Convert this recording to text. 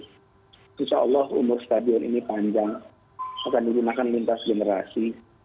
seseorang umur stadion ini panjang akan digunakan lintas generasi